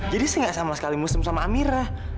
jadi saya nggak sama sekali musim sama amira